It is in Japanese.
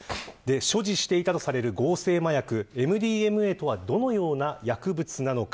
所持していたとされる合成麻薬МＤМＡとはどのような薬物なのか。